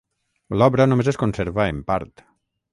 L'obra només es conserva en part.